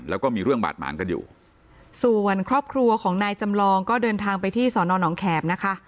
แล้วก็มีเรื่องบาดหมางกันอยู่ส่วนครอบครัวของนายจำลองก็เดินทางไปที่สอนอนองแขมนะคะ